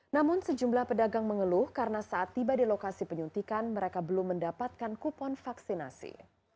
namun sejumlah pedagang mengeluh karena saat tiba di lokasi penyuntikan mereka belum mendapatkan kupon vaksinasi